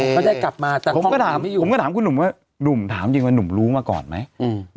ก็ได้กลับมาแต่เขาก็ถามอยู่ผมก็ถามคุณหนุ่มว่าหนุ่มถามจริงว่าหนุ่มรู้มาก่อนไหม